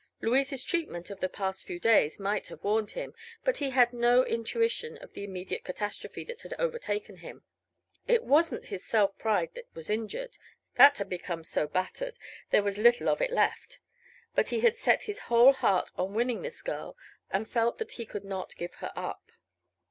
Louise's treatment of the past few days might have warned him, but he had no intuition of the immediate catastrophe that had overtaken him. It wasn't his self pride that was injured; that had become so battered there was little of it left; but he had set his whole heart on winning this girl and felt that he could not give her up.